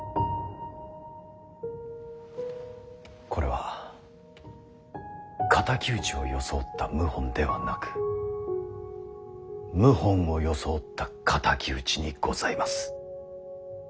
これは敵討ちを装った謀反ではなく謀反を装った敵討ちにございます。